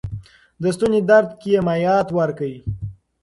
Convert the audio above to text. د ستوني درد کې مایعات ورکړئ.